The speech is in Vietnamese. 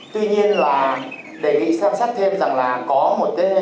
tuy nhiên đề nghị xem xét thêm là có một